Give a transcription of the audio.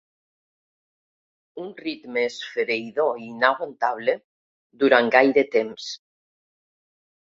Un ritme esfereïdor i inaguantable durant gaire temps.